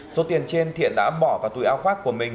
số tiền trên thiện đã bỏ vào túi ao khoác của mình